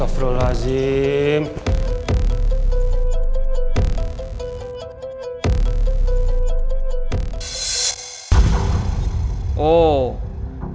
gapain masih di sini